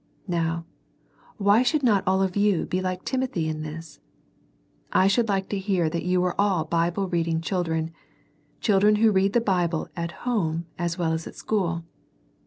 Now, why should not all of you be like Timothy in this ? I should like to hear that you were all Bible reading children,— <:hildren who read the Bible at home as well as at school.